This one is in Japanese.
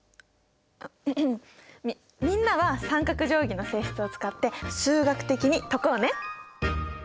みみんなは三角定規の性質を使って数学的に解こうね！